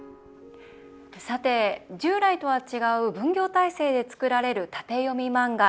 さて、従来とは違う分業体制で作られる縦読み漫画。